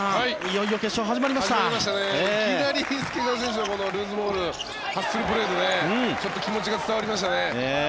いきなり介川選手のルーズボールハッスルプレーで気持ちが伝わりましたね。